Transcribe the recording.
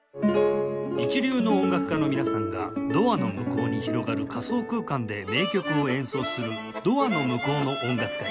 一流の音楽家の皆さんがドアの向こうに広がる仮想空間で名曲を演奏するドアの向こうの音楽会